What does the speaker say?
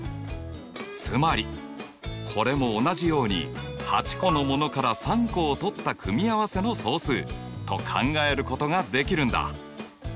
つまりこれも同じように８個のものから３個をとった組合せの総数と考えることができるんだ。